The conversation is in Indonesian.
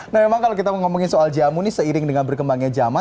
nah memang kalau kita mau ngomongin soal jamu nih seiring dengan berkembangnya zaman